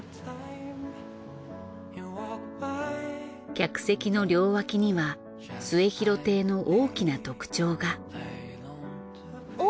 客席の両脇には『末廣亭』の大きな特徴が。